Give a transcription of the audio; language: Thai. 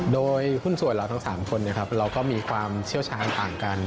โดยหุ้นส่วนเราทั้ง๓คนเราก็มีความเชี่ยวชาญต่างกัน